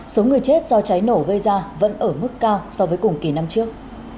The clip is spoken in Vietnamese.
số người chết do cháy nổ gây ra vẫn ở mức cao so với cùng kỳ năm trước